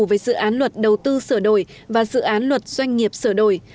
về dự án luật đầu tư sửa đổi và dự án luật doanh nghiệp sửa đổi